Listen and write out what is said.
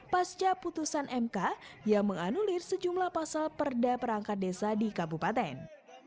pasca putusan mk yang menganulir sejumlah pasal perda perangkat desa di kabupaten